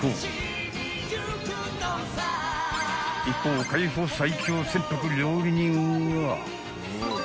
［一方海保最強船舶料理人は］